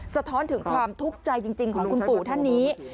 สะท้อนถึงความทุกข์ใจจริงของคุณปู่ท่านนี้